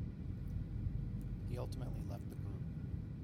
He ultimately left the group.